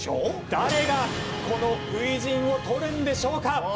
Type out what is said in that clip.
誰がこの初陣を取るんでしょうか？